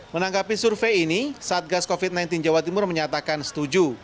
menanggapi survei ini satgas covid sembilan belas jawa timur menyatakan setuju